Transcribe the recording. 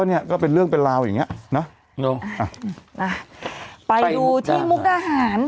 เนี้ยก็เป็นเรื่องเป็นราวอย่างเงี้ยนะเนอะไปดูที่มุกดาหาร